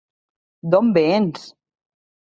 D'on vens?